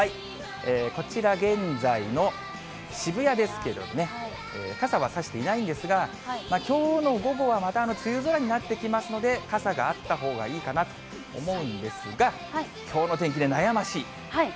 こちら、現在の渋谷ですけどね、傘は差していないんですが、きょうの午後は、また梅雨空になってきますので、傘があったほうがいいかなと思うんですが、きょうの天気で悩ましい。